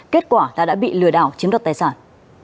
kết quả là đã bị lừa đảo chiếm đoạt tài sản